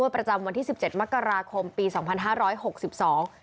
ประจำวันที่สิบเจ็ดมกราคมปีสองพันห้าร้อยหกสิบสอง